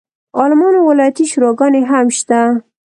عالمانو ولایتي شوراګانې هم شته.